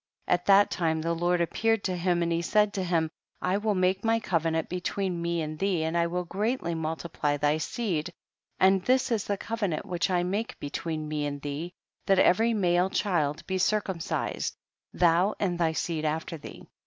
17. At that time the Lord appear ed to him and he said to him, I will make my covenant between me and thee, and I will greatly multiply thy seed, and this is the covenant which I make between me and thee, that every male child be circumcised, thou and thy seed after thee.